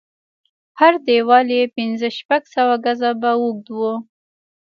هر دېوال يې پنځه شپږ سوه ګزه به اوږد و.